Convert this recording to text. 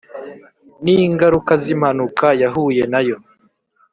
ningaruka zimpanuka yahuye nayo,